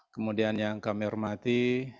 kemudian yang kami hormati